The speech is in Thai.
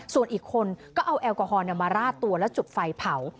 ส่วนอีกคนก็เอาแอลกอฮอลมาราดตัวแล้วจุดไฟเผา